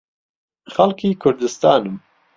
خەڵکی کوردستانم.